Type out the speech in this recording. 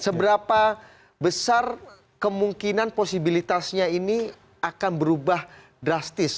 seberapa besar kemungkinan posibilitasnya ini akan berubah drastis